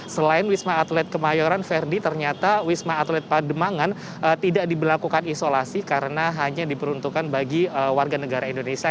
selain wisma atlet kemayoran verdi ternyata wisma atlet pademangan tidak diberlakukan isolasi karena hanya diperuntukkan bagi warga negara indonesia